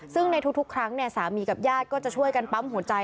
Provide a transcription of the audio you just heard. ซึ่งในทุกครั้งสามีกับญาติก็จะช่วยกันปั๊มหัวใจ